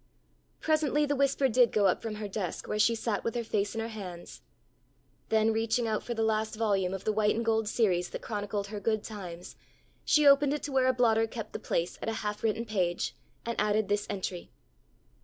Presently the whisper did go up from her desk where she sat with her face in her hands. Then reaching out for the last volume of the white and gold series that chronicled her good times, she opened it to where a blotter kept the place at a half written page, and added this entry.